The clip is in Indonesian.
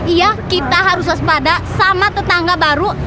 iya kita harus waspada sama tetangga baru